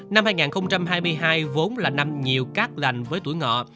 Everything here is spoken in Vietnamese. năm hai nghìn hai mươi hai vốn là năm nhiều cát lành với tuổi ngọ